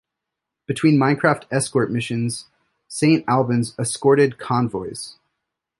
Between minecraft escort missions, "Saint Albans" escorted convoys.